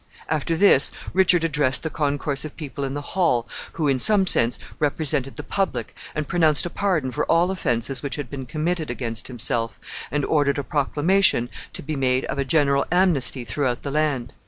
After this Richard addressed the concourse of people in the hall, who, in some sense, represented the public, and pronounced a pardon for all offenses which had been committed against himself, and ordered a proclamation to be made of a general amnesty throughout the land.